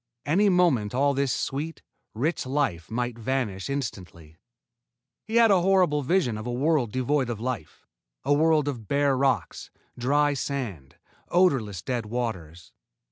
Any moment all this sweet, rich life might vanish instantly. He had a horrible vision of a world devoid of life, a world of bare rocks, dry sand, odorless, dead waters.